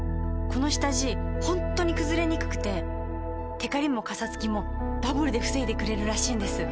この下地ホントにくずれにくくてテカリもカサつきもダブルで防いでくれるらしいんです。